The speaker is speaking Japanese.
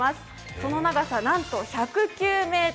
その長さなんと１０９ｍ。